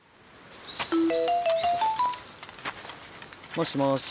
もしもし。